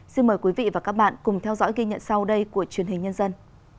xin mời quý vị và các bạn cùng theo dõi ghi nhận sau đây của truyền hình nhân dân